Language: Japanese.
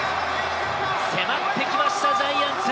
迫ってきました、ジャイアンツ！